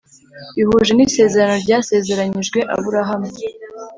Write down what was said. bihuje n isezerano ryasezeranyijwe Aburahamu